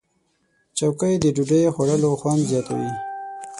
چوکۍ د ډوډۍ خوړلو خوند زیاتوي.